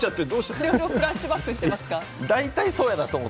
記憶がフラッシュバックしてますか？